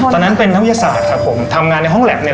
ตอนนั้นเป็นธุรกิจแพงงานในห้องแล็บ